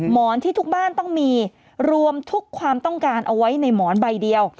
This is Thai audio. หมอนที่ทุกบ้านต้องมีรวมทุกความต้องการเอาไว้ในหมอนใบเดียว